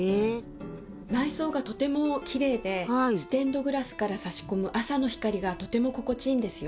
内装がとてもきれいでステンドグラスからさし込む朝の光がとても心地いいんですよ。